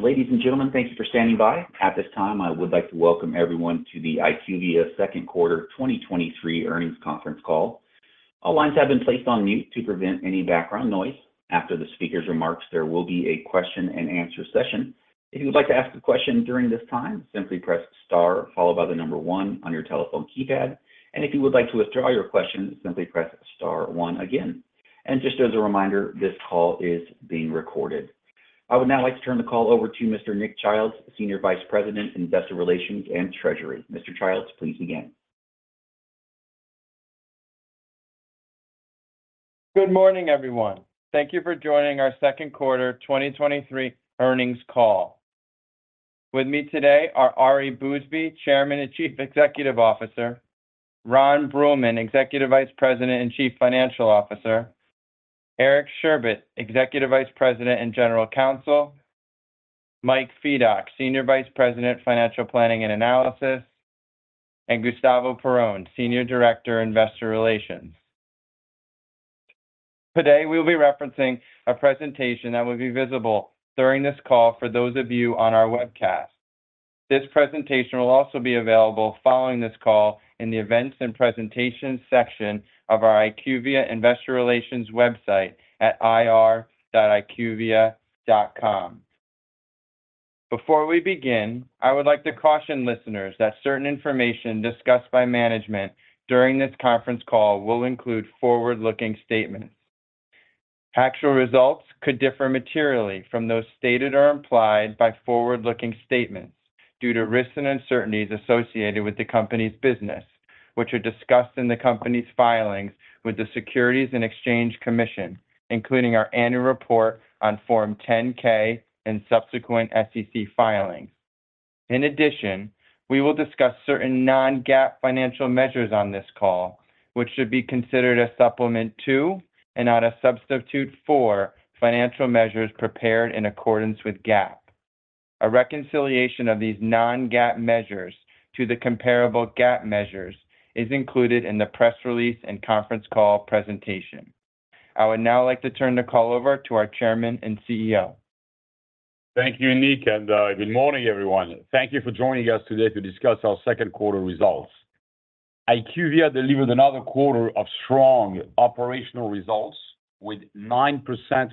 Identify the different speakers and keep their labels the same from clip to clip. Speaker 1: Ladies and gentlemen, thank you for standing by. At this time, I would like to welcome everyone to the IQVIA Second Quarter 2023 Earnings Conference Call. All lines have been placed on mute to prevent any background noise. After the speaker's remarks, there will be a question-and-answer session. If you would like to ask a question during this time, simply press star followed by 1 on your telephone keypad, and if you would like to withdraw your question, simply press star one again. Just as a reminder, this call is being recorded. I would now like to turn the call over to Mr. Nick Childs, Senior Vice President, Investor Relations and Treasury. Mr. Childs, please begin.
Speaker 2: Good morning, everyone. Thank you for joining our second quarter 2023 earnings call. With me today are Ari Bousbib, Chairman and Chief Executive Officer, Ron Bruehlman, Executive Vice President and Chief Financial Officer, Eric Sherbet, Executive Vice President and General Counsel, Mike Fedock, Senior Vice President, Financial Planning and Analysis, and Gustavo Perrone, Senior Director, Investor Relations. Today, we will be referencing a presentation that will be visible during this call for those of you on our webcast. This presentation will also be available following this call in the Events and Presentations section of our IQVIA Investor Relations website at ir.iqvia.com. Before we begin, I would like to caution listeners that certain information discussed by management during this conference call will include forward-looking statements. Actual results could differ materially from those stated or implied by forward-looking statements due to risks and uncertainties associated with the company's business, which are discussed in the company's filings with the Securities and Exchange Commission, including our annual report on Form 10-K and subsequent SEC filings. In addition, we will discuss certain non-GAAP financial measures on this call, which should be considered a supplement to, and not a substitute for, financial measures prepared in accordance with GAAP. A reconciliation of these non-GAAP measures to the comparable GAAP measures is included in the press release and conference call presentation. I would now like to turn the call over to our chairman and CEO.
Speaker 3: Thank you, Nick, and good morning, everyone. Thank you for joining us today to discuss our second quarter results. IQVIA delivered another quarter of strong operational results with 9%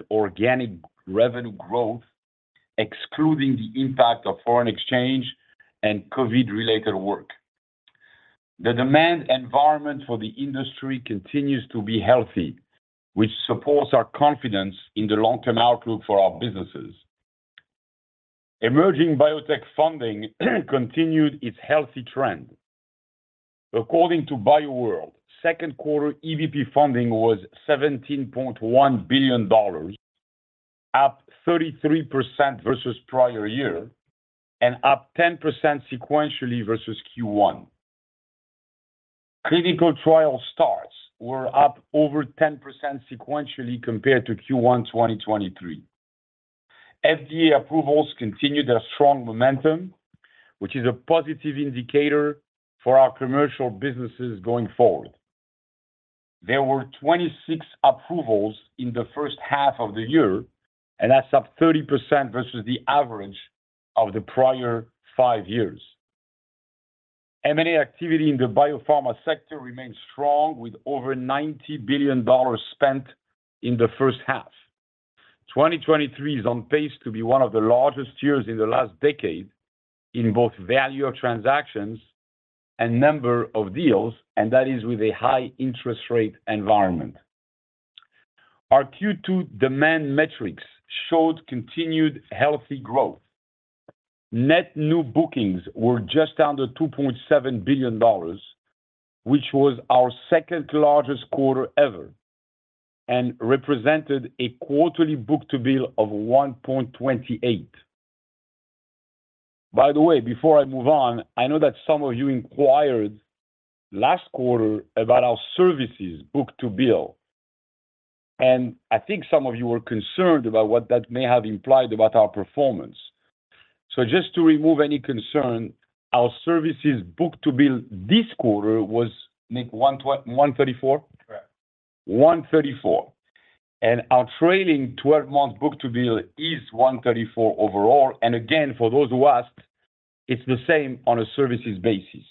Speaker 3: organic revenue growth, excluding the impact of foreign exchange and COVID-related work. The demand environment for the industry continues to be healthy, which supports our confidence in the long-term outlook for our businesses. Emerging biotech funding continued its healthy trend. According to BioWorld, second quarter EBP funding was $17.1 billion, up 33% versus prior year, and up 10% sequentially versus Q1. Clinical trial starts were up over 10% sequentially compared to Q1 2023. FDA approvals continued their strong momentum, which is a positive indicator for our commercial businesses going forward. There were 26 approvals in the first half of the year. That's up 30% versus the average of the prior 5 years. M&A activity in the biopharma sector remains strong, with over $90 billion spent in the first half. 2023 is on pace to be one of the largest years in the last decade in both value of transactions and number of deals. That is with a high interest rate environment. Our Q2 demand metrics showed continued healthy growth. Net new bookings were just under $2.7 billion, which was our second-largest quarter ever and represented a quarterly book-to-bill of 1.28. By the way, before I move on, I know that some of you inquired last quarter about our services book-to-bill. I think some of you were concerned about what that may have implied about our performance. Just to remove any concern, our services book-to-bill this quarter was, Nick, 134?
Speaker 2: Correct.
Speaker 3: 1.34, our trailing 12-month book-to-bill is 1.34 overall. Again, for those who asked, it's the same on a services basis.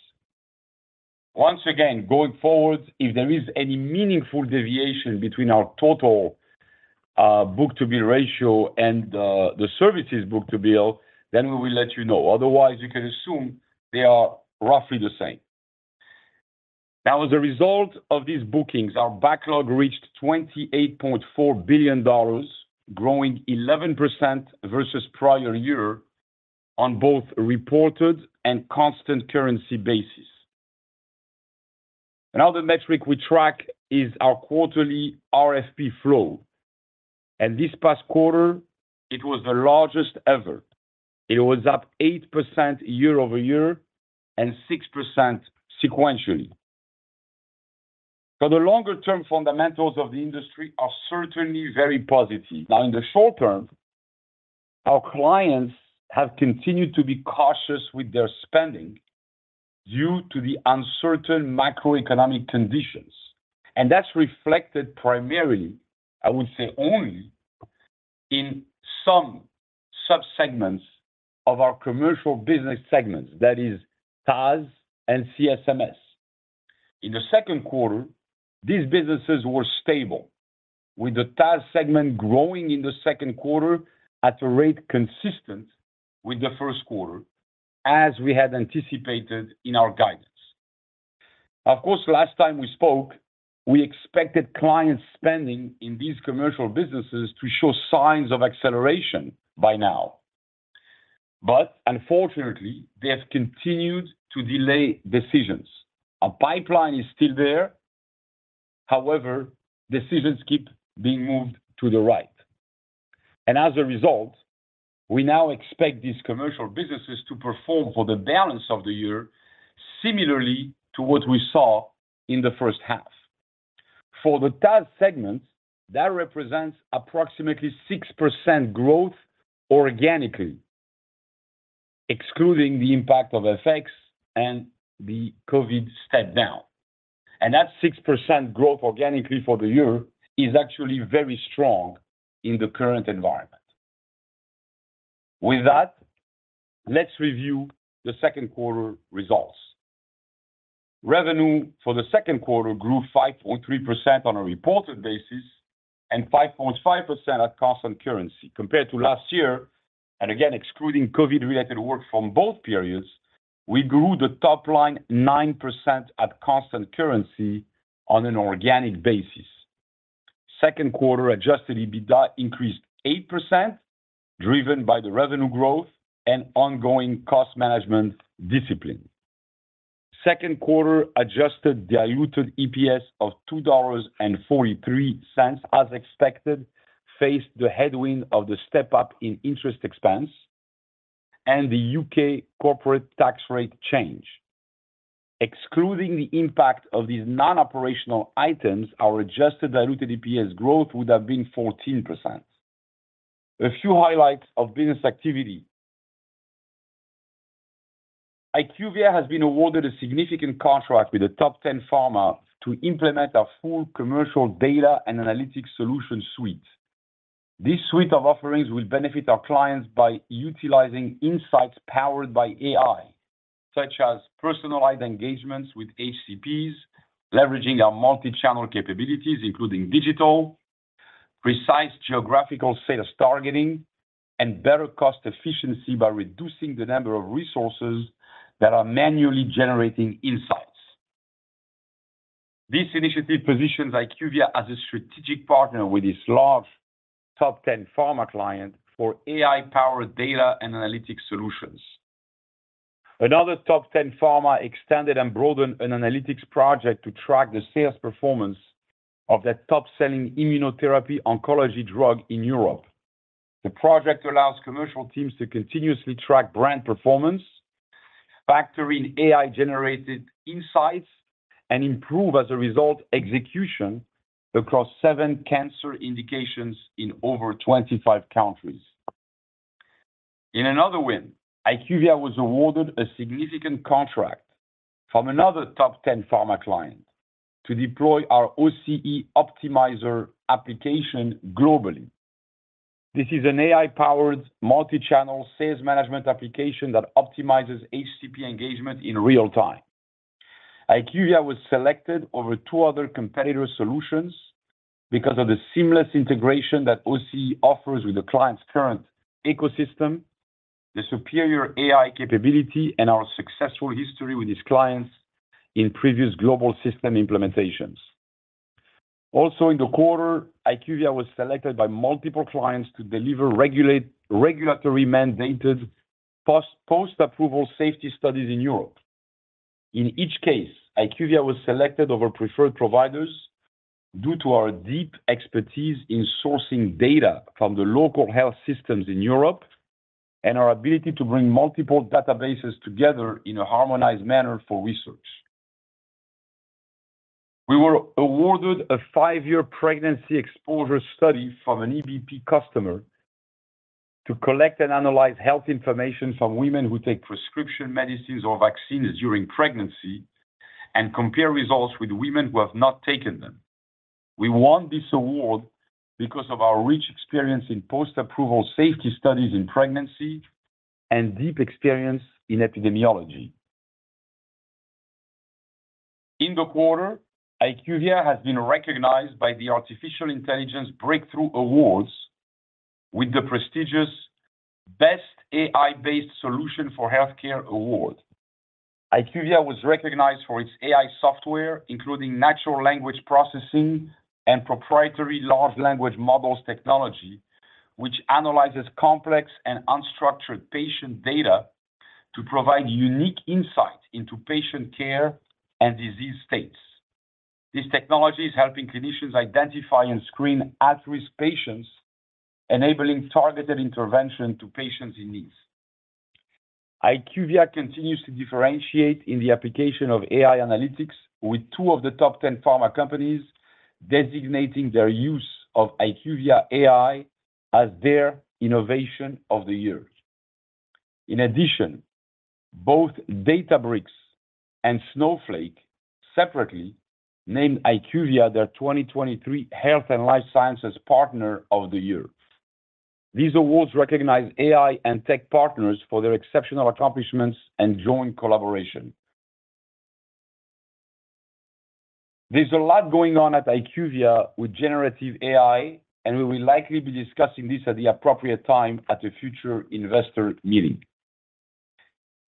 Speaker 3: Once again, going forward, if there is any meaningful deviation between our total book-to-bill ratio and the services book-to-bill, then we will let you know. Otherwise, you can assume they are roughly the same. As a result of these bookings, our backlog reached $28.4 billion, growing 11% versus prior year on both a reported and constant currency basis. Another metric we track is our quarterly RFP flow. This past quarter, it was the largest ever. It was up 8% year-over-year and 6% sequentially. For the longer-term, fundamentals of the industry are certainly very positive. In the short term, our clients have continued to be cautious with their spending.... Due to the uncertain macroeconomic conditions, and that's reflected primarily, I would say only, in some sub-segments of our commercial business segments, that is, TAS and CSMS. In the second quarter, these businesses were stable, with the TAS segment growing in the second quarter at a rate consistent with the first quarter, as we had anticipated in our guidance. Of course, last time we spoke, we expected client spending in these commercial businesses to show signs of acceleration by now. Unfortunately, they have continued to delay decisions. Our pipeline is still there, however, decisions keep being moved to the right. As a result, we now expect these commercial businesses to perform for the balance of the year, similarly to what we saw in the first half. For the TAS segment, that represents approximately 6% growth organically, excluding the impact of FX and the COVID shutdown. That 6% growth organically for the year is actually very strong in the current environment. With that, let's review the second quarter results. Revenue for the second quarter grew 5.3% on a reported basis and 5.5% at constant currency. Compared to last year, again, excluding COVID-related work from both periods, we grew the top line 9% at constant currency on an organic basis. Second quarter adjusted EBITDA increased 8%, driven by the revenue growth and ongoing cost management discipline. Second quarter adjusted diluted EPS of $2.43, as expected, faced the headwind of the step-up in interest expense and the U.K. corporate tax rate change. Excluding the impact of these non-operational items, our adjusted diluted EPS growth would have been 14%. A few highlights of business activity. IQVIA has been awarded a significant contract with a top 10 pharma to implement our full commercial data and analytics solution suite. This suite of offerings will benefit our clients by utilizing insights powered by AI, such as personalized engagements with HCPs, leveraging our multi-channel capabilities, including digital, precise geographical sales targeting, and better cost efficiency by reducing the number of resources that are manually generating insights. This initiative positions IQVIA as a strategic partner with this large top 10 pharma client for AI-powered data and analytics solutions. Another top 10 pharma extended and broadened an analytics project to track the sales performance of their top-selling immunotherapy oncology drug in Europe. The project allows commercial teams to continuously track brand performance, factor in AI-generated insights, and improve, as a result, execution across seven cancer indications in over 25 countries. In another win, IQVIA was awarded a significant contract from another top ten pharma client to deploy our OCE Optimizer application globally. This is an AI-powered multi-channel sales management application that optimizes HCP engagement in real time. IQVIA was selected over two other competitor solutions because of the seamless integration that OCE offers with the client's current ecosystem, the superior AI capability, and our successful history with these clients in previous global system implementations. Also in the quarter, IQVIA was selected by multiple clients to deliver regulatory mandated post-approval safety studies in Europe. In each case, IQVIA was selected over preferred providers due to our deep expertise in sourcing data from the local health systems in Europe, and our ability to bring multiple databases together in a harmonized manner for research. We were awarded a five-year pregnancy exposure study from an EBP customer to collect and analyze health information from women who take prescription medicines or vaccines during pregnancy, and compare results with women who have not taken them. We won this award because of our rich experience in post-approval safety studies in pregnancy and deep experience in epidemiology. In the quarter, IQVIA has been recognized by the Artificial Intelligence Breakthrough Awards with the prestigious Best AI-Based Solution for Healthcare award. IQVIA was recognized for its AI software, including natural language processing and proprietary large language models technology, which analyzes complex and unstructured patient data to provide unique insight into patient care and disease states. This technology is helping clinicians identify and screen at-risk patients, enabling targeted intervention to patients in needs. IQVIA continues to differentiate in the application of AI analytics with two of the top 10 pharma companies.... designating their use of IQVIA AI as their innovation of the year. In addition, both Databricks and Snowflake separately named IQVIA their 2023 Health and Life Sciences Partner of the Year. There's a lot going on at IQVIA with generative AI, and we will likely be discussing this at the appropriate time at a future investor meeting.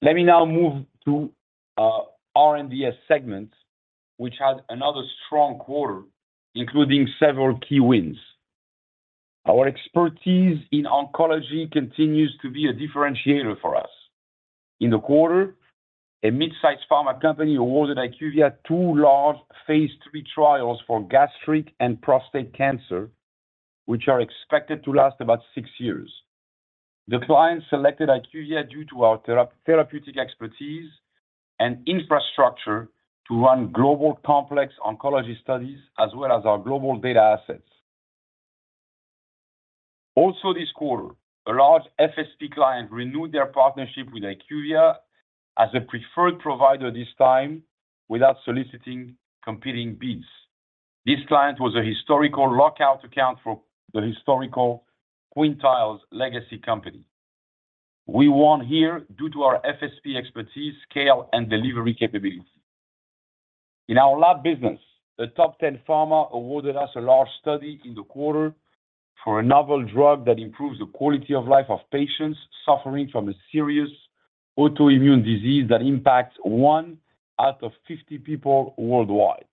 Speaker 3: Let me now move to R&DS segment, which had another strong quarter, including several key wins. Our expertise in oncology continues to be a differentiator for us. In the quarter, a mid-size pharma company awarded IQVIA 2 large Phase III trials for gastric and prostate cancer, which are expected to last about 6 years. The client selected IQVIA due to our therapeutic expertise and infrastructure to run global complex oncology studies, as well as our global data assets. Also this quarter, a large FSP client renewed their partnership with IQVIA as a preferred provider, this time without soliciting competing bids. This client was a historical lockout account for the historical Quintiles legacy company. We won here due to our FSP expertise, scale, and delivery capabilities. In our lab business, a top 10 pharma awarded us a large study in the quarter for a novel drug that improves the quality of life of patients suffering from a serious autoimmune disease that impacts 1 out of 50 people worldwide.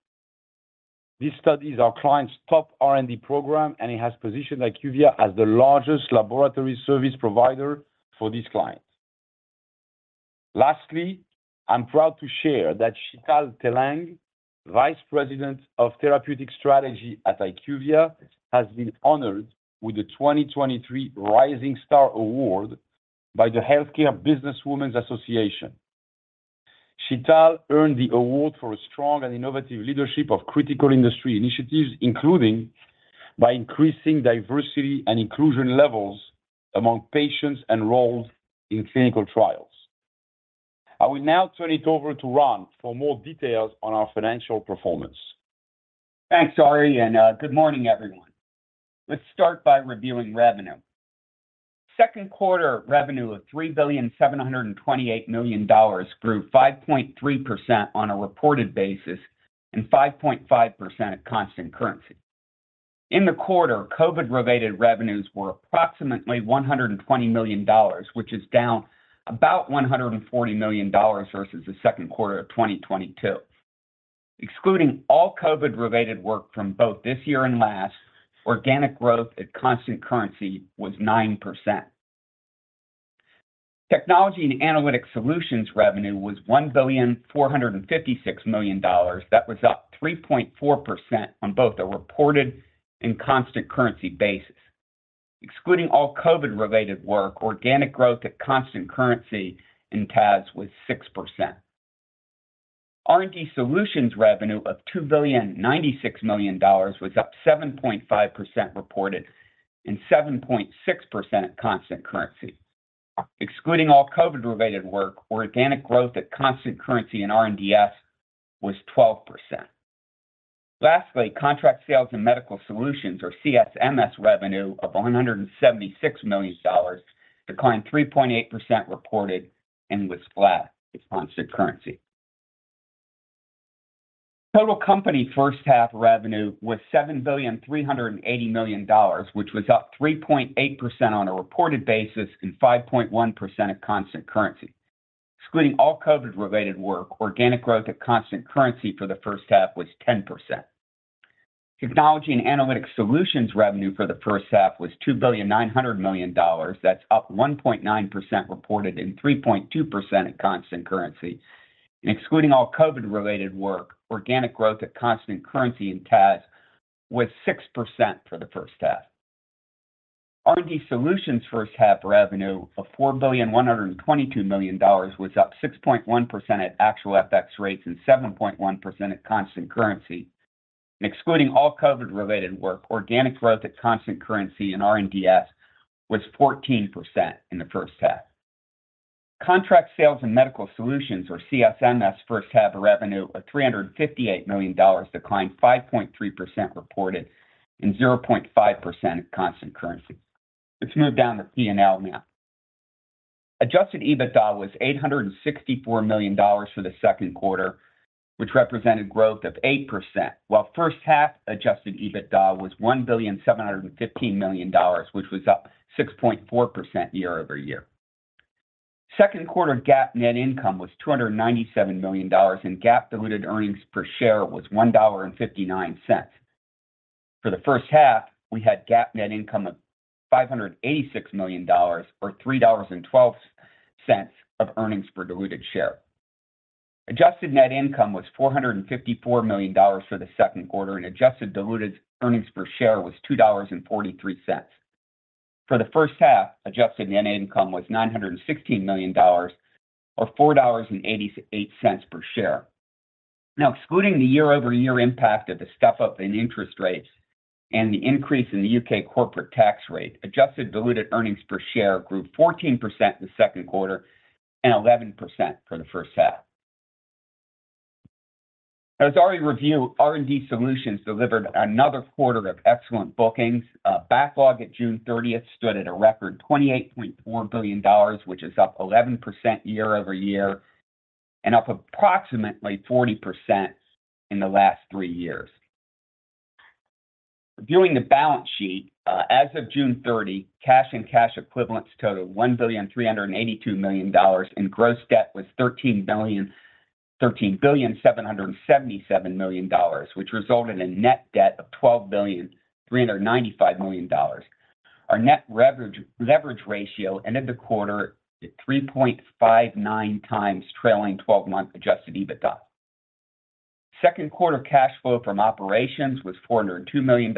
Speaker 3: This study is our client's top R&D program, and it has positioned IQVIA as the largest laboratory service provider for this client. Lastly, I'm proud to share that Sheetal Telang, Vice President of Therapeutic Strategy at IQVIA, has been honored with the 2023 Rising Star Award by the Healthcare Businesswomen's Association. Sheetal earned the award for a strong and innovative leadership of critical industry initiatives, including by increasing diversity and inclusion levels among patients enrolled in clinical trials. I will now turn it over to Ron for more details on our financial performance.
Speaker 4: Thanks, Ari, good morning, everyone. Let's start by reviewing revenue. Second quarter revenue of $3,728 million grew 5.3% on a reported basis and 5.5% at constant currency. In the quarter, COVID-related revenues were approximately $120 million, which is down about $140 million versus the second quarter of 2022. Excluding all COVID-related work from both this year and last, organic growth at constant currency was 9%. Technology and Analytics Solutions revenue was $1,456 million. That was up 3.4% on both a reported and constant currency basis. Excluding all COVID-related work, organic growth at constant currency in TAS was 6%. R&D solutions revenue of $2.096 billion was up 7.5% reported and 7.6% at constant currency. Excluding all COVID-related work, organic growth at constant currency in R&DS was 12%. Lastly, contract sales and medical solutions, or CSMS, revenue of $176 million declined 3.8% reported and was flat at constant currency. Total company first half revenue was $7.38 billion, which was up 3.8% on a reported basis and 5.1% at constant currency. Excluding all COVID-related work, organic growth at constant currency for the first half was 10%. Technology and Analytics Solutions revenue for the first half was $2.9 billion. That's up 1.9% reported and 3.2% at constant currency. Excluding all COVID-related work, organic growth at constant currency in TAS was 6% for the first half. R&DS first half revenue of $4,122 million was up 6.1% at actual FX rates and 7.1% at constant currency. Excluding all COVID-related work, organic growth at constant currency in R&DS was 14% in the first half. Contract sales and medical solutions, or CSMS, first half revenue of $358 million declined 5.3% reported and 0.5% at constant currency. Let's move down the P&L now. Adjusted EBITDA was $864 million for the second quarter, which represented growth of 8%, while first half adjusted EBITDA was $1,715 million, which was up 6.4% year-over-year. Second quarter GAAP net income was $297 million, and GAAP diluted earnings per share was $1.59. For the first half, we had GAAP net income of $586 million or $3.12 of earnings per diluted share. Adjusted net income was $454 million for the second quarter, and adjusted diluted earnings per share was $2.43. For the first half, adjusted net income was $916 million, or $4.88 per share. Excluding the year-over-year impact of the step-up in interest rates and the increase in the U.K. corporate tax rate, adjusted diluted earnings per share grew 14% in the second quarter and 11% for the first half. As already reviewed, R&D Solutions delivered another quarter of excellent bookings. Backlog at June 30th stood at a record $28.4 billion, which is up 11% year-over-year, and up approximately 40% in the last three years. Viewing the balance sheet, as of June 30, cash and cash equivalents total $1,382 million, and gross debt was $13,777 million, which resulted in net debt of $12,395 million. Our net leverage ratio ended the quarter at 3.59 times trailing 12-month Adjusted EBITDA. Second quarter cash flow from operations was $402 million,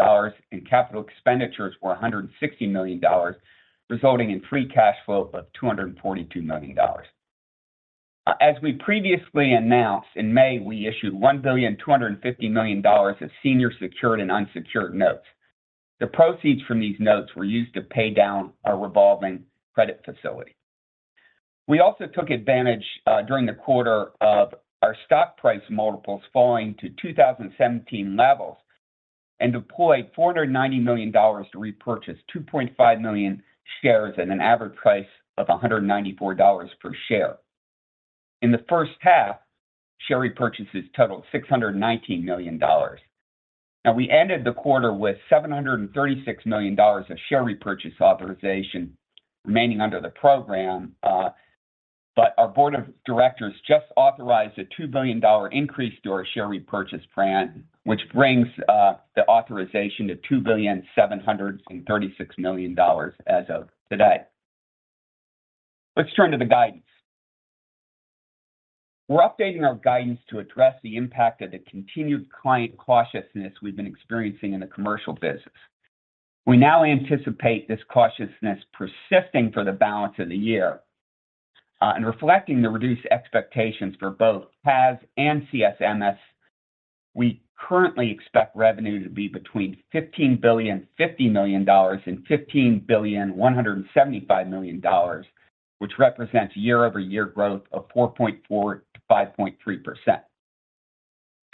Speaker 4: and capital expenditures were $160 million, resulting in free cash flow of $242 million. As we previously announced, in May, we issued $1.25 billion of senior secured and unsecured notes. The proceeds from these notes were used to pay down our revolving credit facility. We also took advantage during the quarter of our stock price multiples falling to 2017 levels, and deployed $490 million to repurchase 2.5 million shares at an average price of $194 per share. In the first half, share repurchases totaled $619 million. Now, we ended the quarter with $736 million of share repurchase authorization remaining under the program, but our board of directors just authorized a $2 billion increase to our share repurchase plan, which brings the authorization to $2.736 billion as of today. Let's turn to the guidance. We're updating our guidance to address the impact of the continued client cautiousness we've been experiencing in the commercial business. We now anticipate this cautiousness persisting for the balance of the year, and reflecting the reduced expectations for both PAAS and CSMS, we currently expect revenue to be between $15.05 billion and $15.175 billion, which represents year-over-year growth of 4.4%-5.3%.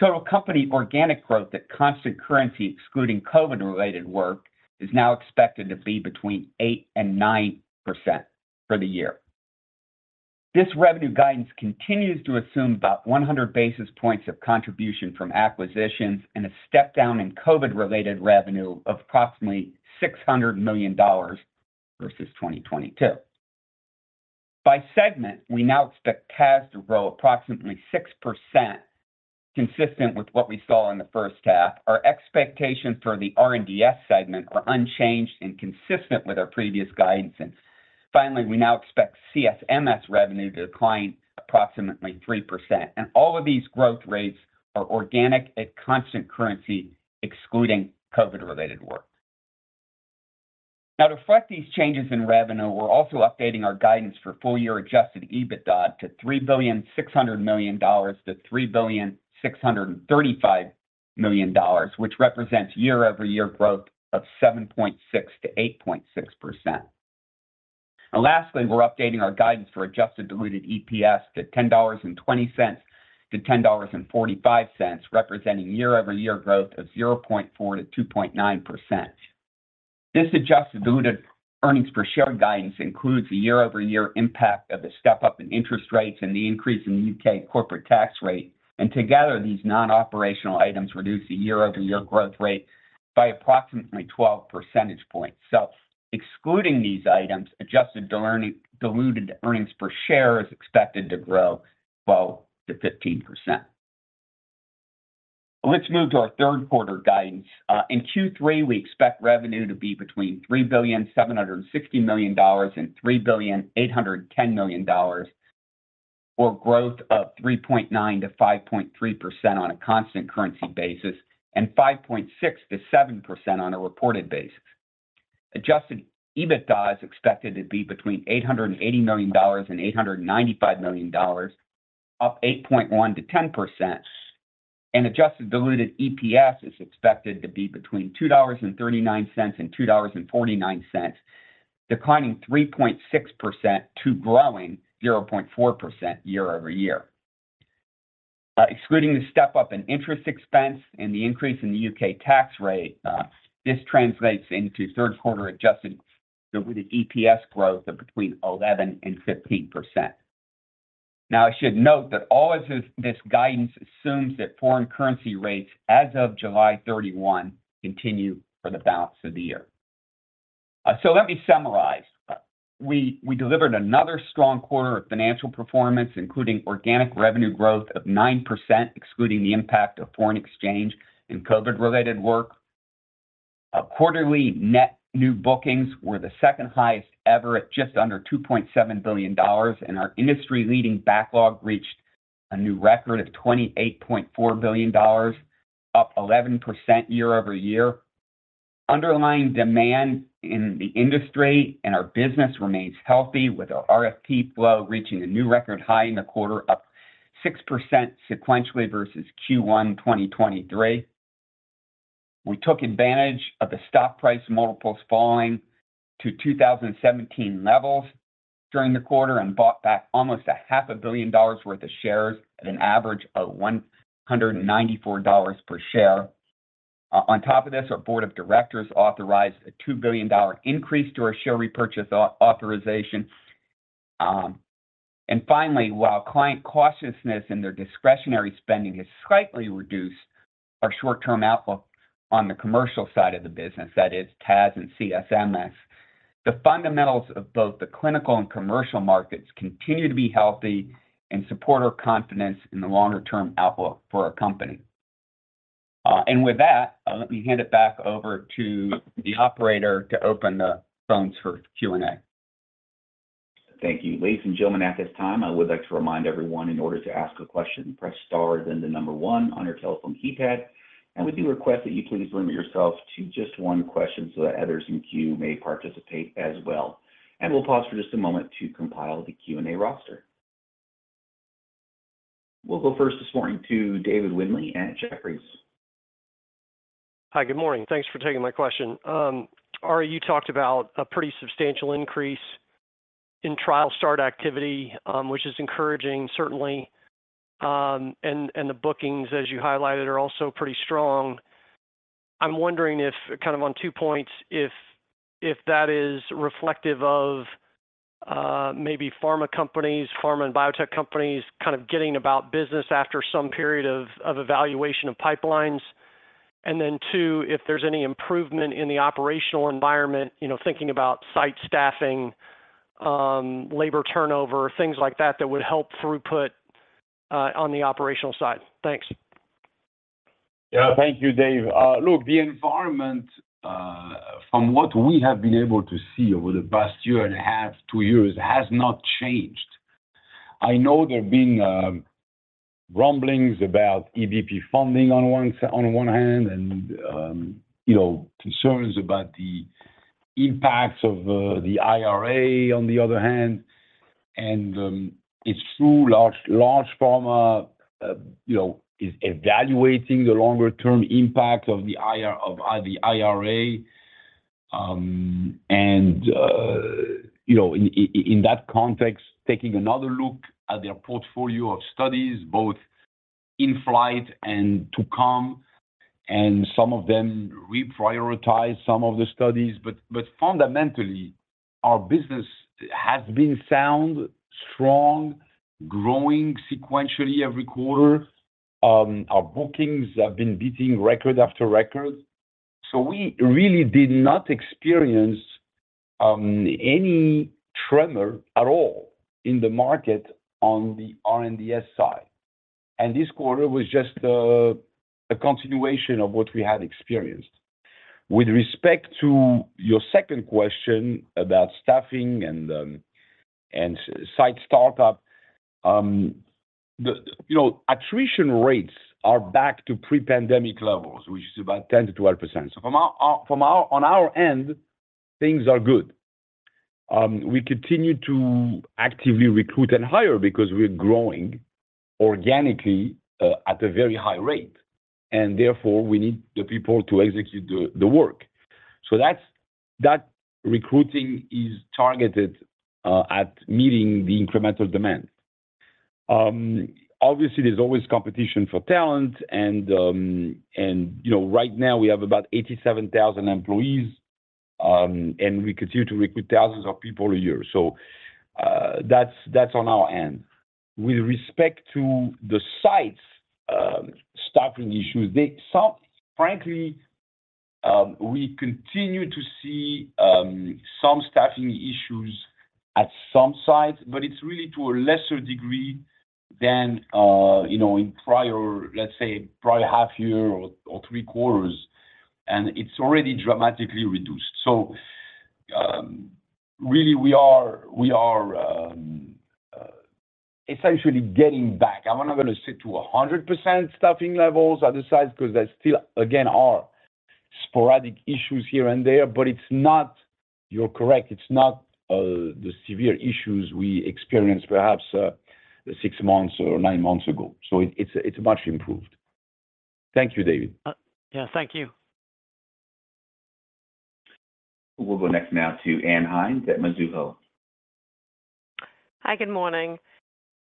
Speaker 4: Total company organic growth at constant currency, excluding COVID-related work, is now expected to be between 8% and 9% for the year. This revenue guidance continues to assume about 100 basis points of contribution from acquisitions and a step down in COVID-related revenue of approximately $600 million versus 2022. By segment, we now expect PAAS to grow approximately 6%, consistent with what we saw in the first half. Our expectations for the R&DS segment are unchanged and consistent with our previous guidance. Finally, we now expect CSMS revenue to decline approximately 3%. All of these growth rates are organic at constant currency, excluding COVID-related work. To reflect these changes in revenue, we're also updating our guidance for full year Adjusted EBITDA to $3.6 billion-$3.635 billion, which represents year-over-year growth of 7.6%-8.6%. Lastly, we're updating our guidance for adjusted diluted EPS to $10.20-$10.45, representing year-over-year growth of 0.4%-2.9%. This adjusted diluted earnings per share guidance includes a year-over-year impact of the step-up in interest rates and the increase in the U.K. corporate tax rate. Together, these non-operational items reduce the year-over-year growth rate by approximately 12 percentage points. Excluding these items, adjusted diluted earnings per share is expected to grow 12%-15%. Let's move to our third quarter guidance. In Q3, we expect revenue to be between $3.76 billion and $3.81 billion, or growth of 3.9%-5.3% on a constant currency basis, and 5.6%-7% on a reported basis. Adjusted EBITDA is expected to be between $880 million and $895 million, up 8.1%-10%. Adjusted diluted EPS is expected to be between $2.39 and $2.49, declining 3.6% to growing 0.4% year-over-year. Excluding the step-up in interest expense and the increase in the U.K. tax rate, this translates into third quarter adjusted diluted EPS growth of between 11% and 15%. I should note that all of this, this guidance assumes that foreign currency rates as of July 31 continue for the balance of the year. Let me summarize. We, we delivered another strong quarter of financial performance, including organic revenue growth of 9%, excluding the impact of foreign exchange and COVID-related work. Our quarterly net new bookings were the second highest ever at just under $2.7 billion, and our industry-leading backlog reached a new record of $28.4 billion. Up 11% year-over-year. Underlying demand in the industry and our business remains healthy, with our RFP flow reaching a new record high in the quarter, up 6% sequentially versus Q1 2023. We took advantage of the stock price multiples falling to 2017 levels during the quarter, bought back almost $500 million worth of shares at an average of $194 per share. On top of this, our board of directors authorized a $2 billion increase to our share repurchase authorization. Finally, while client cautiousness in their discretionary spending has slightly reduced our short-term outlook on the commercial side of the business, that is TAS and CSMS, the fundamentals of both the clinical and commercial markets continue to be healthy and support our confidence in the longer-term outlook for our company. With that, let me hand it back over to the operator to open the phones for Q&A.
Speaker 1: Thank you. Ladies and gentlemen, at this time, I would like to remind everyone, in order to ask a question, press star, then the number 1 on your telephone keypad. We do request that you please limit yourself to just 1 question, so that others in queue may participate as well. We'll pause for just a moment to compile the Q&A roster. We'll go first this morning to David Windley at Jefferies.
Speaker 5: Hi, good morning. Thanks for taking my question. Ari, you talked about a pretty substantial increase in trial start activity, which is encouraging, certainly. The bookings, as you highlighted, are also pretty strong. I'm wondering if, kind of on two points, if, if that is reflective of, maybe pharma companies, pharma and biotech companies, kind of getting about business after some period of, of evaluation of pipelines. Two, if there's any improvement in the operational environment, you know, thinking about site staffing, labor turnover, things like that, that would help throughput, on the operational side. Thanks.
Speaker 3: Yeah. Thank you, Dave. Look, the environment, from what we have been able to see over the past year and a half, two years, has not changed. I know there have been rumblings about EBP funding on one hand and, you know, concerns about the impacts of the IRA, on the other hand. It's true, large, large pharma, you know, is evaluating the longer-term impact of the IRA. In that context, taking another look at their portfolio of studies, both in flight and to come, and some of them reprioritize some of the studies. But fundamentally, our business has been sound, strong, growing sequentially every quarter. Our bookings have been beating record after record, so we really did not experience any tremor at all in the market on the R&DS side. This quarter was just a continuation of what we had experienced. With respect to your second question about staffing and site startup, you know, attrition rates are back to pre-pandemic levels, which is about 10%-12%. From our on our end, things are good. We continue to actively recruit and hire because we're growing organically at a very high rate, and therefore, we need the people to execute the work. That's, that recruiting is targeted at meeting the incremental demand. Obviously, there's always competition for talent and, and, you know, right now we have about 87,000 employees, and we continue to recruit thousands of people a year. That's, that's on our end. With respect to the sites, staffing issues, they frankly, we continue to see some staffing issues at some sites, but it's really to a lesser degree than, you know, in prior, let's say, probably half year or, or three quarters, and it's already dramatically reduced. Really we are, we are, essentially getting back. I'm not going to say to a 100% staffing levels at the sites, because there still, again, are sporadic issues here and there, but it's not. You're correct, it's not the severe issues we experienced perhaps, six months or nine months ago. It's, it's much improved. Thank you, David.
Speaker 5: Yeah, thank you.
Speaker 1: We'll go next now to Ann Hynes at Mizuho.
Speaker 6: Hi, good morning.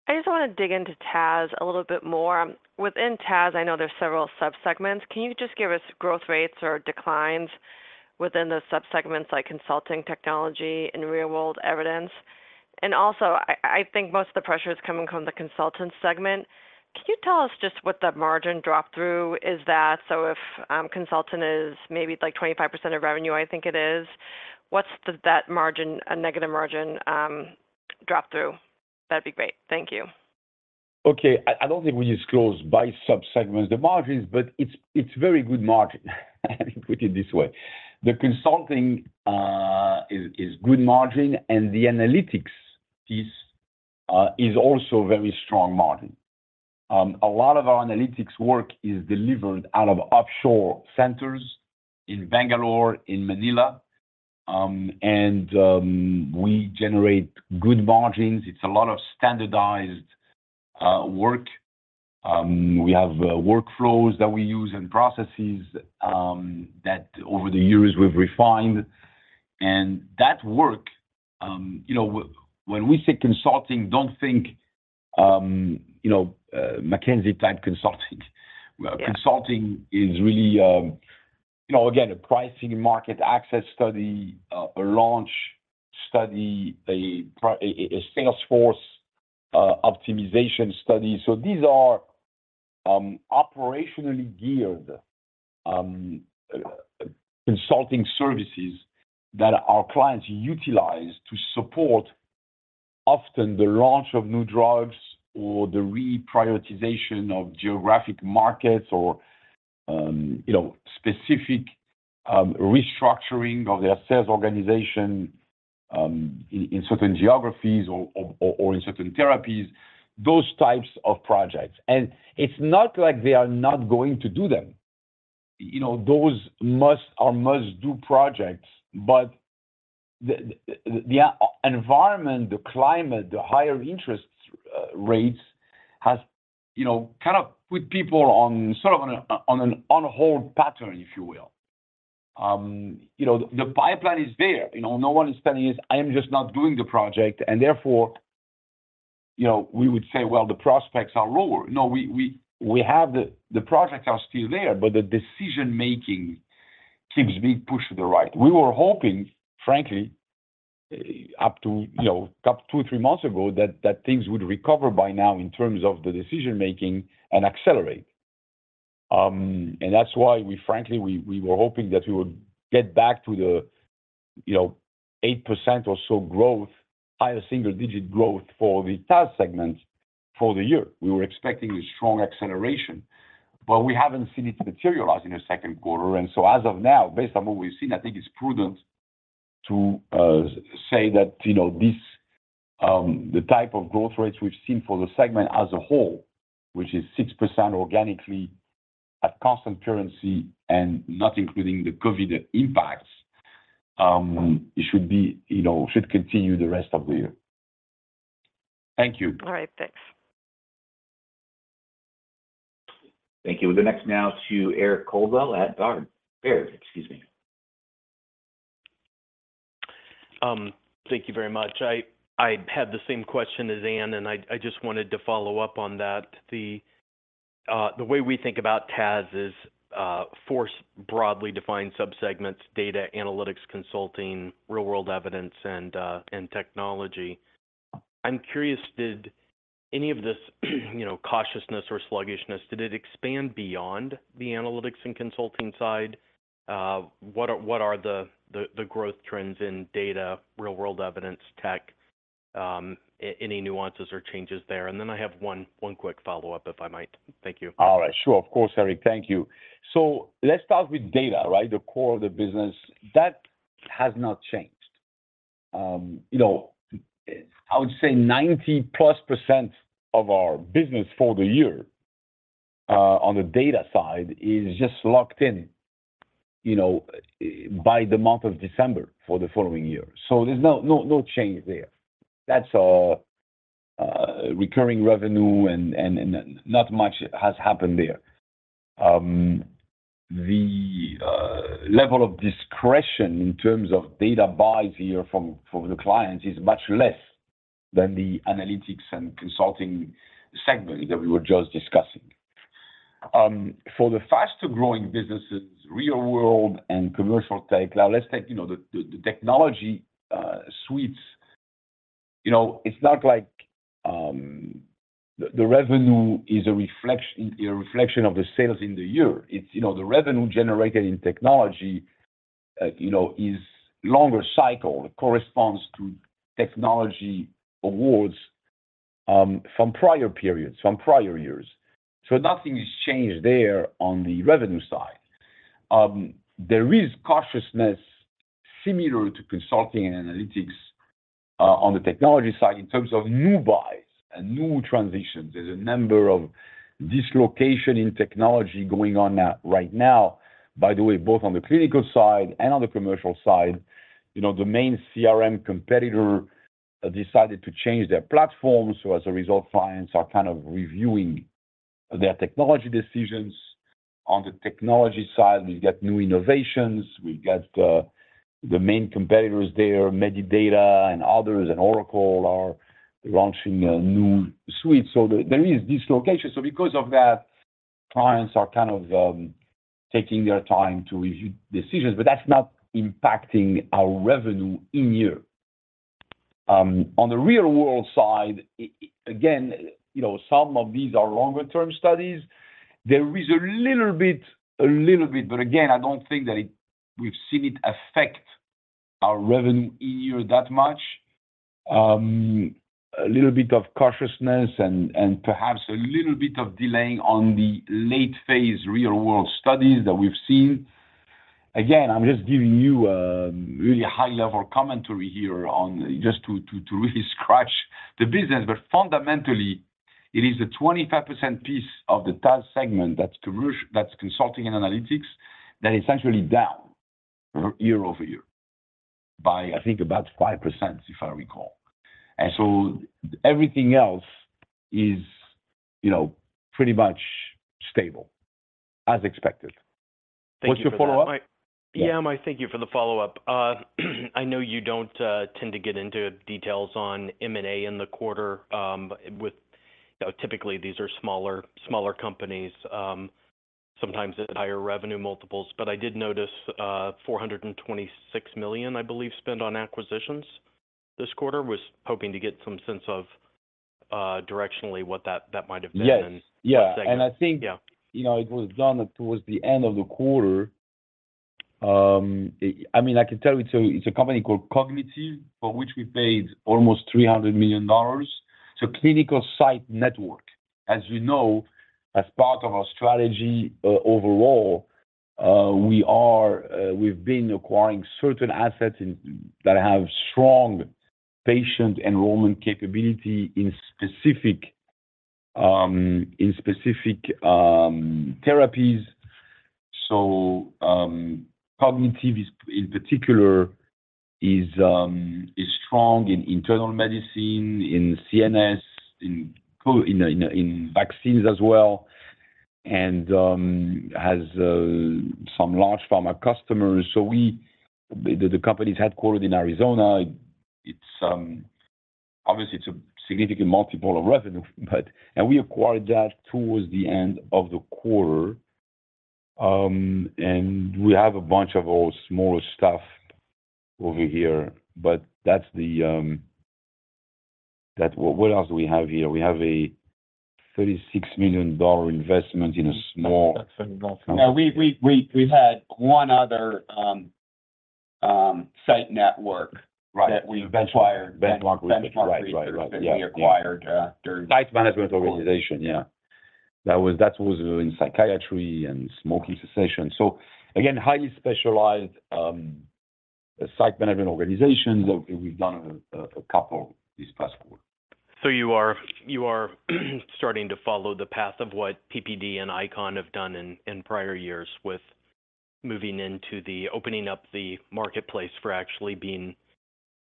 Speaker 6: I just want to dig into TAS a little bit more. Within TAS, I know there's several subsegments. Can you just give us growth rates or declines within the subsegments, like consulting, technology, and real-world evidence? Also, I, I think most of the pressure is coming from the consulting segment. Can you tell us just what the margin drop through is that? If consulting is maybe like 25% of revenue, I think it is, what's the, that margin, a negative margin, drop through? That'd be great. Thank you.
Speaker 3: Okay. I, I don't think we disclose by subsegments the margins, but it's, it's very good margin. Let me put it this way, the consulting is, is good margin, and the analytics is also very strong margin. A lot of our analytics work is delivered out of offshore centers in Bangalore, in Manila. We generate good margins. It's a lot of standardized work. We have workflows that we use, and processes that over the years we've refined. That work, you know, when we say consulting, don't think, you know, McKinsey-type consulting.
Speaker 7: Yeah.
Speaker 3: Consulting is really, you know, again, a pricing market access study, a launch study, a sales force optimization study. These are operationally geared consulting services that our clients utilize to support often the launch of new drugs or the reprioritization of geographic markets or, you know, specific restructuring of their sales organization in certain geographies or, or, or, or in certain therapies, those types of projects. It's not like they are not going to do them. You know, those must or must-do projects, but the, the, the environment, the climate, the higher interest rates has, you know, kind of put people on sort of on a, on an on-hold pattern, if you will. You know, the pipeline is there. You know, no one is telling us, "I am just not doing the project," and therefore, you know, we would say, well, the prospects are lower. No, we, we, we have the projects are still there, but the decision-making seems to be pushed to the right. We were hoping, frankly, up to, you know, up two, three months ago, that, that things would recover by now in terms of the decision-making and accelerate. And that's why we frankly, we, we were hoping that we would get back to the, you know, 8% or so growth, higher single-digit growth for the TAS segment for the year. We were expecting a strong acceleration, but we haven't seen it materialize in the second quarter. As of now, based on what we've seen, I think it's prudent to say that, you know, this, the type of growth rates we've seen for the segment as a whole, which is 6% organically at constant currency and not including the COVID impacts, it should be, you know, should continue the rest of the year. Thank you.
Speaker 6: All right. Thanks.
Speaker 1: Thank you. The next now to Eric Coldwell at Baird. Baird, excuse me.
Speaker 8: Thank you very much. I, I had the same question as Ann, and I'd, I just wanted to follow up on that. The way we think about TAS is, force broadly defined subsegments, data, analytics, consulting, real-world evidence, and technology. I'm curious, did any of this, you know, cautiousness or sluggishness, did it expand beyond the analytics and consulting side? What are, what are the, the, the growth trends in data, real-world evidence, tech, any nuances or changes there? Then I have one, one quick follow-up, if I might. Thank you.
Speaker 3: All right. Sure, of course, Eric. Thank you. Let's start with data, right? The core of the business. That has not changed. You know, I would say 90+% of our business for the year on the data side is just locked in, you know, by the month of December for the following year. There's no, no, no change there. That's all recurring revenue and, and, and not much has happened there. The level of discretion in terms of data buys here from, from the clients is much less than the analytics and consulting segment that we were just discussing. For the faster-growing businesses, real-world and commercial tech. Let's take, you know, the technology suites. You know, it's not like the revenue is a reflection, a reflection of the sales in the year. It's, you know, the revenue generated in technology, you know, is longer cycle, corresponds to technology awards, from prior periods, from prior years. Nothing has changed there on the revenue side. There is cautiousness similar to consulting and analytics, on the technology side in terms of new buys and new transitions. There's a number of dislocation in technology going on now, right now, by the way, both on the clinical side and on the commercial side. You know, the main CRM competitor decided to change their platform, so as a result, clients are kind of reviewing their technology decisions. On the technology side, we've got new innovations. We've got the main competitors there, Medidata and others, and Oracle, are launching a new suite. There is dislocation. Because of that, clients are kind of taking their time to review decisions, but that's not impacting our revenue in year. On the real-world side, again, you know, some of these are longer-term studies. There is a little bit, a little bit, but again, I don't think that it- we've seen it affect our revenue in year that much. A little bit of cautiousness and, and perhaps a little bit of delaying on the late-phase real-world studies that we've seen. Again, I'm just giving you really high-level commentary here on just to, to, to really scratch the business. Fundamentally, it is a 25% piece of the TAS segment that's consulting and analytics, that is essentially down year-over-year by, I think, about 5%, if I recall. Everything else is, you know, pretty much stable, as expected. What's your follow-up?
Speaker 8: Thank you for that. Yeah, I thank you for the follow-up. I know you don't tend to get into details on M&A in the quarter, with, you know, typically these are smaller, smaller companies, sometimes at higher revenue multiples. I did notice $426 million, I believe, spent on acquisitions this quarter. Was hoping to get some sense of directionally what that, that might have been-
Speaker 3: Yes.
Speaker 8: Yeah.
Speaker 3: I think-
Speaker 8: Yeah.
Speaker 3: You know, it was done towards the end of the quarter. I mean, I can tell you, it's a company called Cognito, for which we paid almost $300 million. It's a clinical site network. As you know, as part of our strategy, overall, we've been acquiring certain assets that have strong patient enrollment capability in specific, in specific therapies. Cognitive is, in particular, is strong in internal medicine, in CNS, in vaccines as well, and has some large pharma customers. The company is headquartered in Arizona. It's obviously it's a significant multiple of revenue. We acquired that towards the end of the quarter. We have a bunch of our smaller stuff over here, but that's the. What else do we have here? We have a $36 million investment in a small-
Speaker 4: No, we, we, we, we had one other, site network.
Speaker 3: Right
Speaker 4: that we acquired.
Speaker 3: Benchmark. Benchmark.
Speaker 4: Benchmark, that we acquired, during.
Speaker 3: Site management organization, yeah. That was, that was in psychiatry and smoking cessation. Again, highly specialized, site management organizations. We've done a, a couple this past quarter.
Speaker 8: You are, you are, starting to follow the path of what PPD and ICON have done in, in prior years, with moving into the opening up the marketplace for actually being,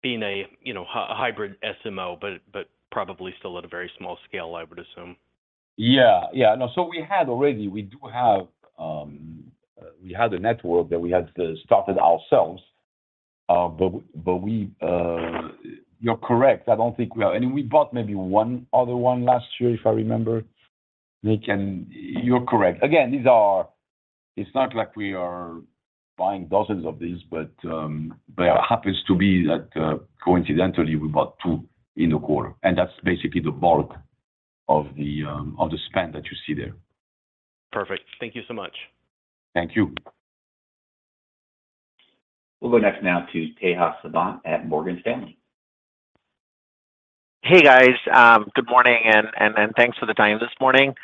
Speaker 8: being a, you know, a hybrid SMO, but, but probably still at a very small scale, I would assume.
Speaker 2: Yeah. Yeah. No, we had already. We do have, we had a network that we had started ourselves, but we, you're correct. I don't think we have. We bought maybe 1 other one last year, if I remember,
Speaker 3: Nick. You're correct. Again, these are. It's not like we are buying dozens of these, but, there happens to be that, coincidentally, we bought 2 in the quarter, and that's basically the bulk of the spend that you see there.
Speaker 8: Perfect. Thank you so much.
Speaker 3: Thank you.
Speaker 1: We'll go next now to Tejas Savant at Morgan Stanley.
Speaker 9: Hey, guys. Good morning, and thanks for the time this morning.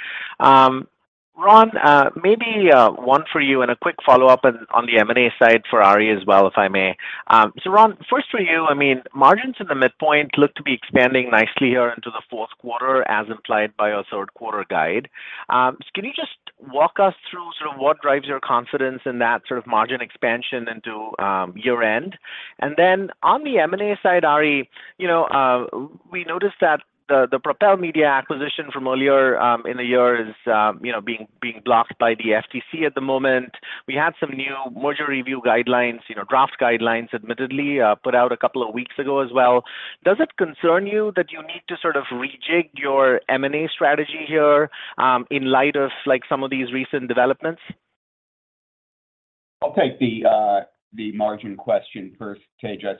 Speaker 9: Ron, maybe one for you and a quick follow-up on the M&A side for Ari as well, if I may. Ron, first for you, I mean, margins in the midpoint look to be expanding nicely here into the fourth quarter, as implied by our third quarter guide. Can you just walk us through sort of what drives your confidence in that sort of margin expansion into year-end? Then on the M&A side, Ari, you know, we noticed that the Propel Media acquisition from earlier in the year is, you know, being blocked by the FTC at the moment. We had some new merger review guidelines, you know, draft guidelines, admittedly, put out a couple of weeks ago as well. Does it concern you that you need to sort of rejig your M&A strategy here, in light of, like, some of these recent developments?
Speaker 4: I'll take the margin question first, Tejas.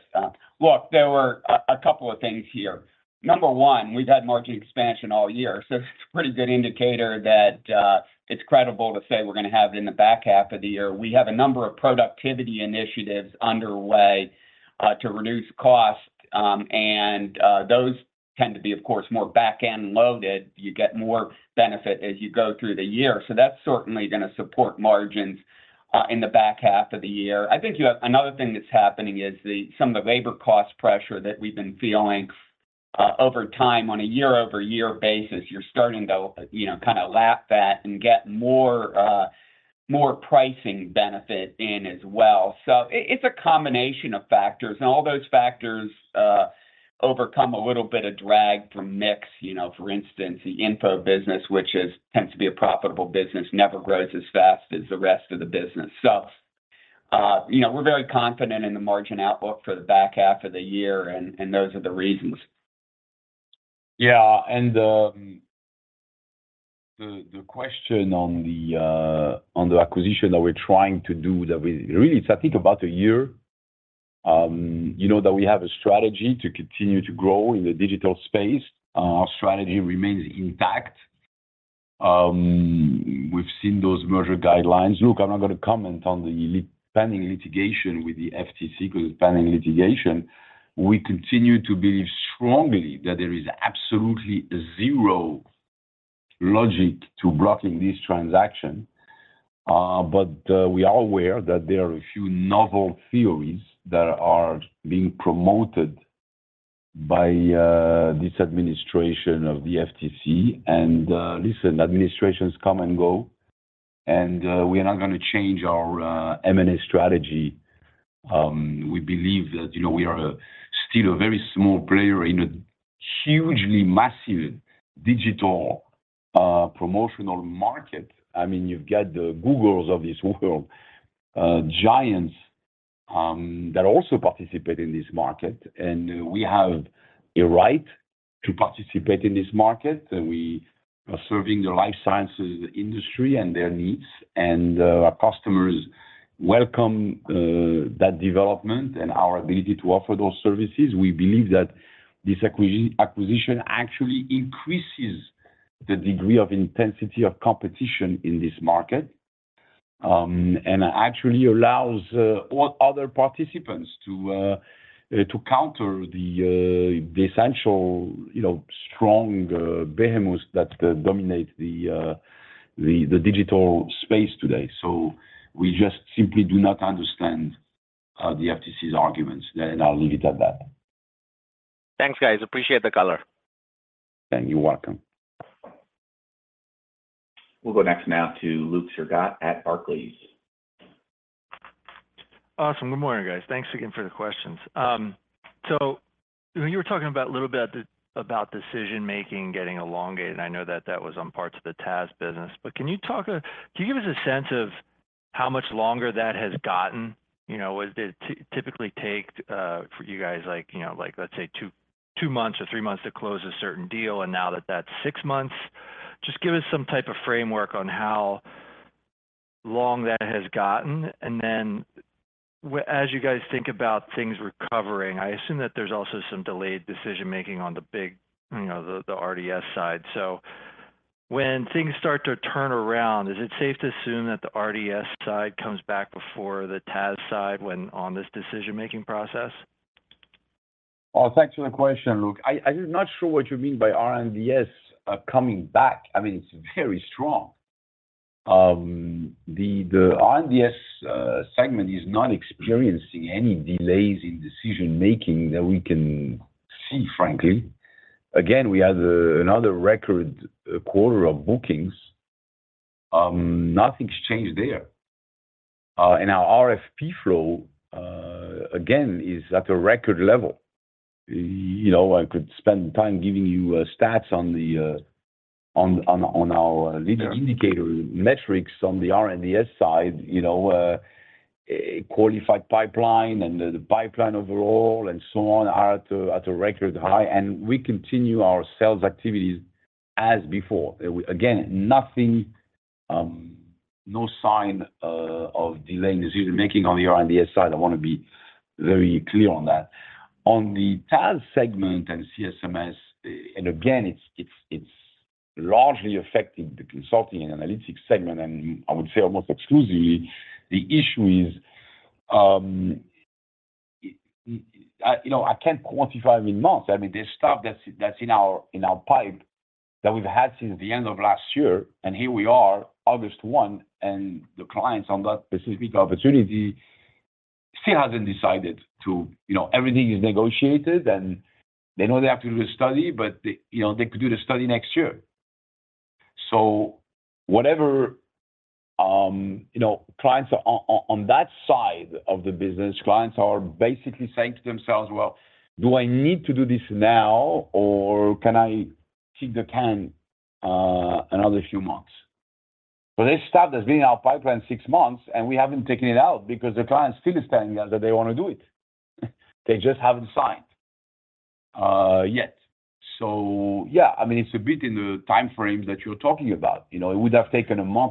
Speaker 4: Look, there were a couple of things here. Number one, we've had margin expansion all year, so it's a pretty good indicator that it's credible to say we're gonna have it in the back half of the year. We have a number of productivity initiatives underway to reduce cost, and those tend to be, of course, more back-end loaded. You get more benefit as you go through the year, so that's certainly gonna support margins in the back half of the year. Another thing that's happening is the, some of the labor cost pressure that we've been feeling over time on a year-over-year basis. You're starting to, you know, kind of lap that and get more pricing benefit in as well. It's a combination of factors, and all those factors overcome a little bit of drag from mix. You know, for instance, the info business, which is, tends to be a profitable business, never grows as fast as the rest of the business. You know, we're very confident in the margin outlook for the back half of the year, and those are the reasons.
Speaker 3: Yeah, the question on the acquisition that we're trying to do, that we really, I think about one year. You know that we have a strategy to continue to grow in the digital space. Our strategy remains intact. We've seen those merger guidelines. Look, I'm not going to comment on the pending litigation with the FTC, because pending litigation, we continue to believe strongly that there is absolutely zero logic to blocking this transaction. But we are aware that there are a few novel theories that are being promoted by this administration of the FTC. Listen, administrations come and go, and we are not gonna change our M&A strategy. We believe that, you know, we are a still a very small player in a hugely massive digital promotional market. I mean, you've got the Googles of this world, giants that also participate in this market, and we have a right to participate in this market. We are serving the life sciences industry and their needs, and our customers welcome that development and our ability to offer those services. We believe that this acquisition actually increases the degree of intensity of competition in this market, and actually allows all other participants to counter the essential, you know, strong behemoths that dominate the digital space today. We just simply do not understand the FTC's arguments, and I'll leave it at that.
Speaker 9: Thanks, guys. Appreciate the color.
Speaker 3: You're welcome.
Speaker 1: We'll go next now to Luke Sergott at Barclays.
Speaker 10: Awesome. Good morning, guys. Thanks again for the questions. When you were talking about a little bit about decision-making getting elongated, and I know that that was on parts of the TAS business, Can you give us a sense of how much longer that has gotten? You know, what did it typically take for you guys, like, you know, like, let's say 2, 2 months or 3 months to close a certain deal, and now that that's 6 months? Just give us some type of framework on how long that has gotten. As you guys think about things recovering, I assume that there's also some delayed decision-making on the big, you know, the R&DS side. When things start to turn around, is it safe to assume that the R&DS side comes back before the TAS side when on this decision-making process?
Speaker 3: Oh, thanks for the question, Luke. I, I'm not sure what you mean by R&DS coming back. I mean, it's very strong. The R&DS segment is not experiencing any delays in decision-making that we can see, frankly. Again, we had another record quarter of bookings. Nothing's changed there. And our RFP flow again, is at a record level. You know, I could spend time giving you stats on the on, on, on our-
Speaker 10: Sure...
Speaker 3: leading indicator metrics on the R&DS side, you know, a qualified pipeline, and the pipeline overall, and so on, are at a, at a record high, we continue our sales activities as before. Again, nothing, no sign of delay in decision-making on the R&DS side. I want to be very clear on that. On the TAS segment and CSMS, and again, it's, it's, it's largely affecting the consulting and analytics segment, and I would say almost exclusively, the issue is, you know, I can't quantify in months. I mean, there's stuff that's, that's in our, in our pipe that we've had since the end of last year, and here we are, August 1, and the clients on that specific opportunity still hasn't decided to... You know, everything is negotiated, and they know they have to do a study, but they, you know, they could do the study next year. Whatever, you know, clients on, on, on that side of the business, clients are basically saying to themselves: "Well, do I need to do this now, or can I kick the can another few months?" This stuff has been in our pipeline 6 months, and we haven't taken it out because the client still is telling us that they want to do it. They just haven't signed yet. So yeah, I mean, it's a bit in the time frame that you're talking about. You know, it would have taken 1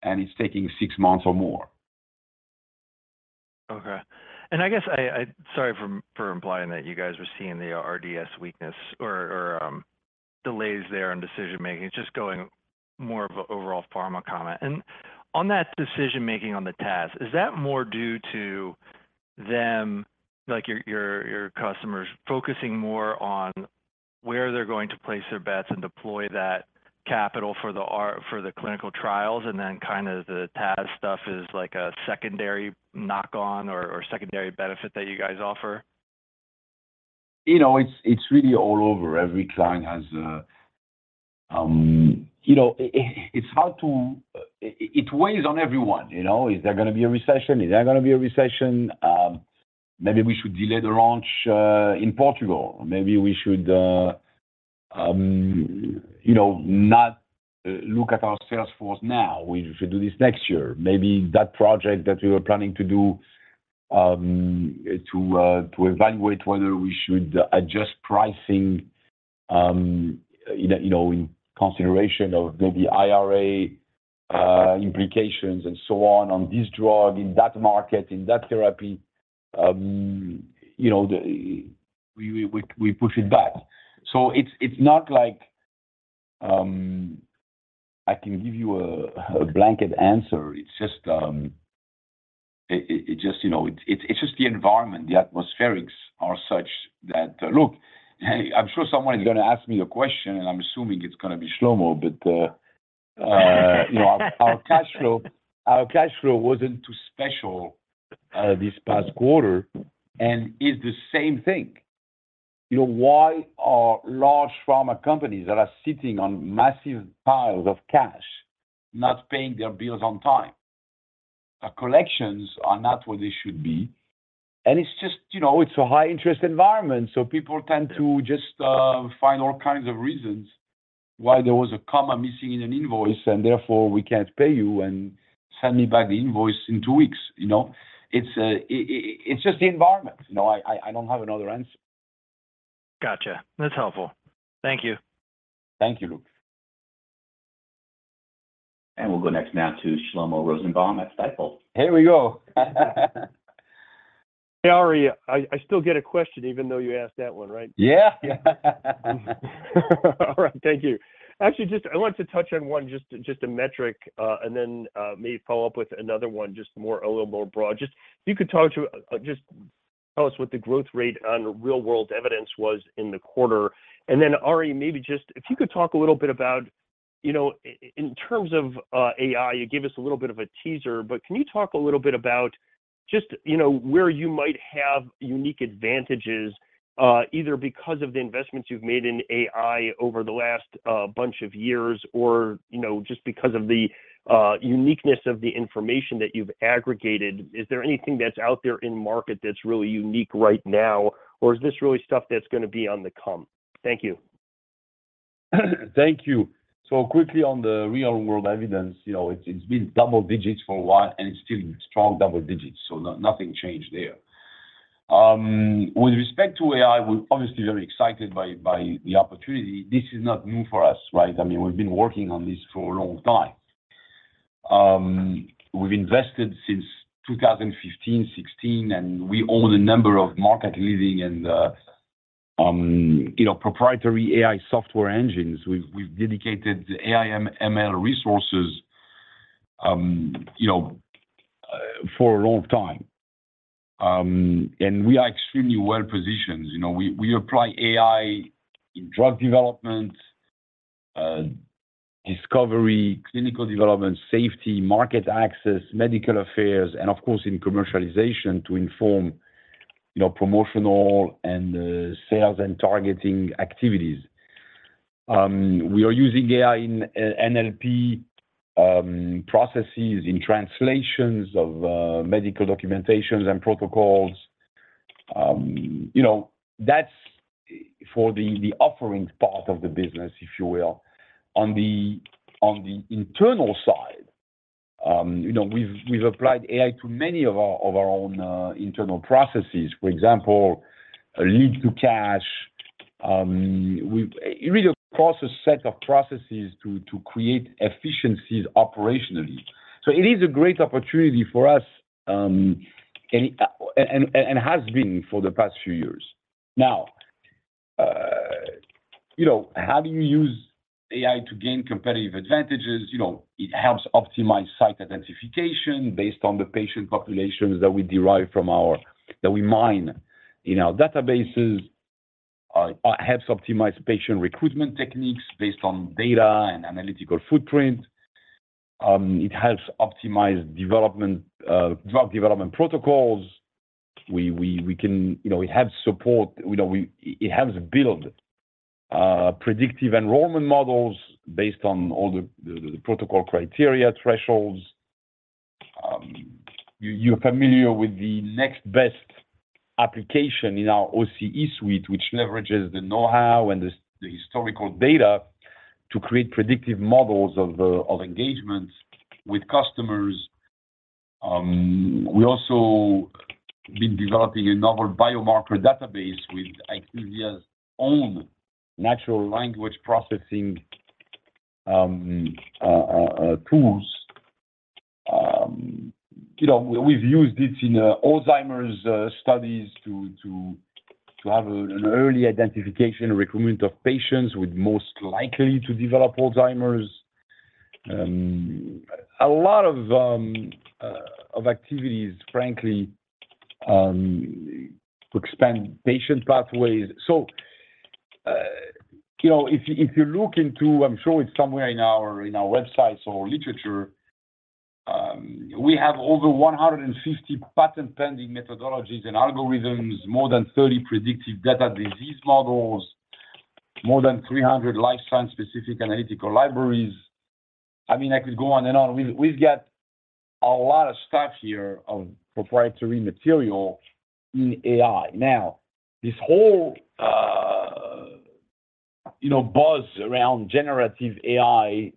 Speaker 3: or 2 months, and it's taking 6 months or more.
Speaker 10: Okay. I guess I, I... Sorry for, for implying that you guys were seeing the R&DS weakness or, or, delays there in decision-making. It's just going more of an overall pharma comment. On that decision-making on the TAS, is that more due to them, like your, your, your customers, focusing more on where they're going to place their bets and deploy that capital for the R- for the clinical trials, and then kind of the TAS stuff is like a secondary knock on or, or secondary benefit that you guys offer?
Speaker 3: You know, it's, it's really all over. Every client has a, you know, it, it's hard to, it, it weighs on everyone, you know? Is there gonna be a recession? Is there not gonna be a recession? Maybe we should delay the launch in Portugal. Maybe we should, you know, not look at our sales force now. We should do this next year. Maybe that project that we were planning to do, to evaluate whether we should adjust pricing, you know, you know, in consideration of maybe IRA implications and so on, on this drug in that market, in that therapy, you know, we, we, we push it back. So it's, it's not like I can give you a blanket answer. It's just, you know, it's, it's just the environment, the atmospherics are such that. Look, hey, I'm sure someone is going to ask me a question, and I'm assuming it's going to be Shlomo, but, you know, our cash flow, our cash flow wasn't too special this past quarter, and it's the same thing. You know, why are large pharma companies that are sitting on massive piles of cash, not paying their bills on time? Our collections are not what they should be, and it's just, you know, it's a high-interest environment, so people tend to just find all kinds of reasons why there was a comma missing in an invoice, and therefore, we can't pay you, and send me back the invoice in two weeks, you know? It's just the environment. You know, I don't have another answer.
Speaker 10: Gotcha. That's helpful. Thank you.
Speaker 3: Thank you, Luke.
Speaker 1: We'll go next now to Shlomo Rosenbaum at Stifel.
Speaker 3: Here we go.
Speaker 11: Hey, Ari, I, I still get a question, even though you asked that one, right?
Speaker 3: Yeah.
Speaker 11: All right, thank you. Actually, I wanted to touch on one, just a metric, and then maybe follow up with another one, just more, a little more broad. Just if you could talk to, just tell us what the growth rate on real-world evidence was in the quarter. And Ari, maybe just, if you could talk a little bit about, you know, in terms of AI, you gave us a little bit of a teaser, but can you talk a little bit about just, you know, where you might have unique advantages, either because of the investments you've made in AI over the last bunch of years, or, you know, just because of the uniqueness of the information that you've aggregated? Is there anything that's out there in market that's really unique right now, or is this really stuff that's gonna be on the come? Thank you.
Speaker 3: Thank you. Quickly on the real-world evidence, you know, it's, it's been double digits for a while, and it's still strong double digits, nothing changed there. With respect to AI, we're obviously very excited by the opportunity. This is not new for us, right? I mean, we've been working on this for a long time. We've invested since 2015, 2016, and we own a number of market-leading and, you know, proprietary AI software engines. We've dedicated the AI, ML resources, you know, for a long time. We are extremely well-positioned. You know, we apply AI in drug development, discovery, clinical development, safety, market access, medical affairs, and of course, in commercialization to inform, you know, promotional and sales and targeting activities. We are using AI in NLP processes, in translations of medical documentations and protocols. You know, that's for the offerings part of the business, if you will. On the internal side, you know, we've applied AI to many of our own internal processes. For example, lead to cash. It really crosses set of processes to create efficiencies operationally. It is a great opportunity for us, and has been for the past few years. Now, you know, how do you use AI to gain competitive advantages? You know, it helps optimize site identification based on the patient populations that we derive from that we mine. In our databases, helps optimize patient recruitment techniques based on data and analytical footprint. It helps optimize development, drug development protocols. You know, it helps support, you know, it helps build predictive enrollment models based on all the, the protocol criteria thresholds. You're familiar with the Next Best application in our OCE suite, which leverages the know-how and the historical data to create predictive models of engagements with customers. We also been developing a novel biomarker database with IQVIA's own natural language processing tools. You know, we've used this in Alzheimer's studies to have an early identification and recruitment of patients with most likely to develop Alzheimer's. A lot of activities, frankly, to expand patient pathways. So you know, if you, if you look into, I'm sure it's somewhere in our, in our websites or literature, we have over 150 patent-pending methodologies and algorithms, more than 30 predictive data disease models, more than 300 lifespan-specific analytical libraries. I mean, I could go on and on. We've, we've got a lot of stuff here of proprietary material in AI. This whole, you know, buzz around generative AI,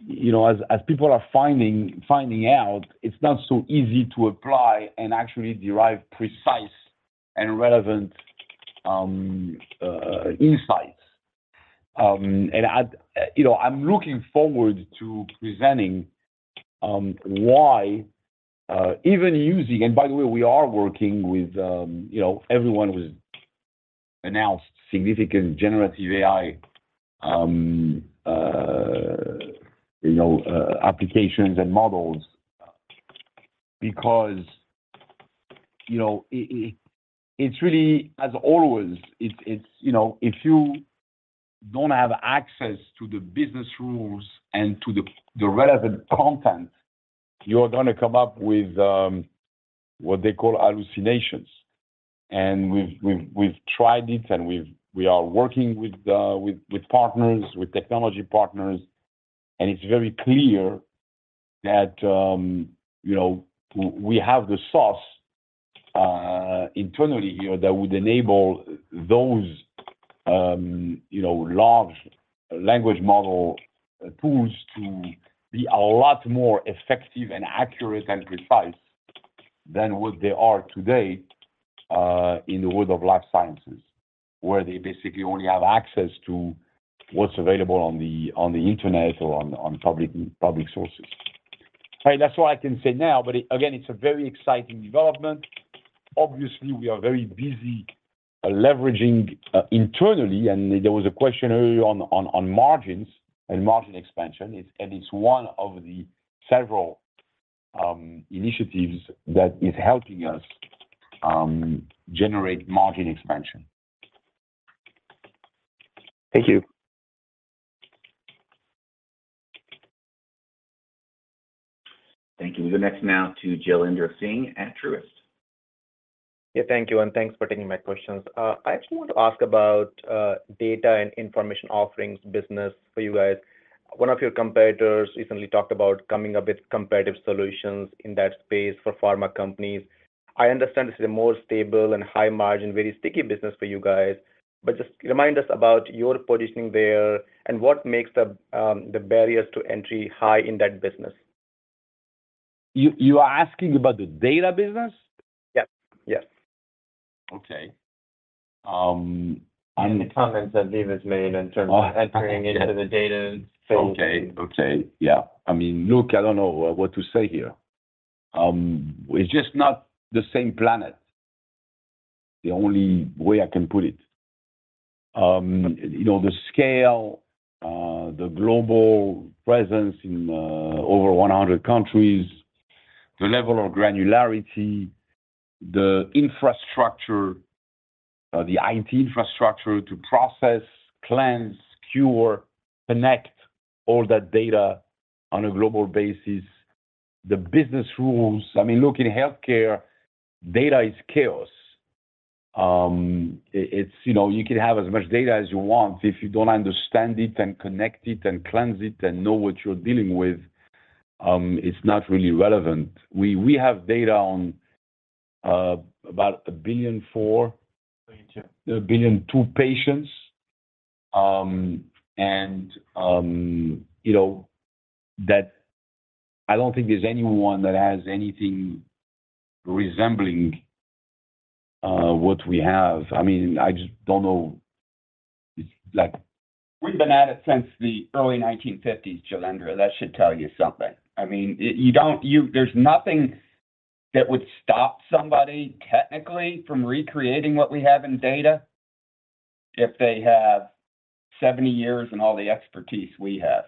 Speaker 3: you know, as, as people are finding, finding out, it's not so easy to apply and actually derive precise and relevant insights. I, you know, I'm looking forward to presenting why even using, By the way, we are working with, you know, everyone announced significant generative AI applications and models. Because, you know, it, it, it's really, as always, it's, it's, you know, if you don't have access to the business rules and to the, the relevant content, you're gonna come up with what they call hallucinations. We've, we've, we've tried it, and we are working with partners, with technology partners. It's very clear that, you know, we have the sauce internally here that would enable those, you know, large language model tools to be a lot more effective and accurate, and precise than what they are today in the world of life sciences, where they basically only have access to what's available on the Internet or on public, public sources. Hey, that's what I can say now, but again, it's a very exciting development. Obviously, we are very busy leveraging, internally, and there was a question earlier on, on, on margins and margin expansion. It's one of the several initiatives that is helping us generate margin expansion.
Speaker 11: Thank you.
Speaker 1: Thank you. We go next now to Jailendra Singh at Truist.
Speaker 12: Yeah, thank you, and thanks for taking my questions. I just want to ask about data and information offerings business for you guys. One of your competitors recently talked about coming up with competitive solutions in that space for pharma companies. I understand this is a more stable and high margin, very sticky business for you guys, but just remind us about your positioning there and what makes the barriers to entry high in that business?
Speaker 3: You, you are asking about the data business?
Speaker 12: Yep. Yep.
Speaker 3: Okay.
Speaker 12: The comments that Veeva's made in terms of entering into the data space.
Speaker 3: Okay, okay. Yeah. I mean, look, I don't know what to say here. It's just not the same planet. The only way I can put it. You know, the scale, the global presence in over 100 countries, the level of granularity, the infrastructure, the IT infrastructure to process, cleanse, cure, connect all that data on a global basis, the business rules. I mean, look, in healthcare, data is chaos. It's, you know, you can have as much data as you want, but if you don't understand it and connect it, and cleanse it, and know what you're dealing with, it's not really relevant. We, we have data on about a billion-four
Speaker 12: Billion-2
Speaker 3: Billion 2 patients. you know, that I don't think there's anyone that has anything resembling what we have. I mean, I just don't know. It's like-
Speaker 7: We've been at it since the early nineteen fifties, Jailendra. That should tell you something. I mean, you don't, there's nothing that would stop somebody, technically, from recreating what we have in data if they have 70 years and all the expertise we have.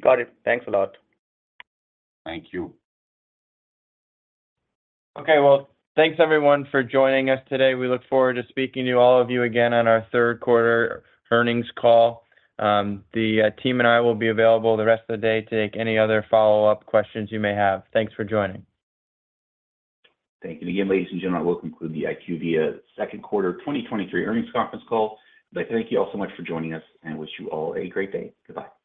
Speaker 12: Got it. Thanks a lot.
Speaker 3: Thank you.
Speaker 7: Okay. Well, thanks, everyone, for joining us today. We look forward to speaking to all of you again on our third quarter earnings call. The team and I will be available the rest of the day to take any other follow-up questions you may have. Thanks for joining.
Speaker 1: Thank you again, ladies and gentlemen. I will conclude the IQVIA Second Quarter 2023 Earnings Conference Call. Thank you all so much for joining us, and wish you all a great day. Goodbye.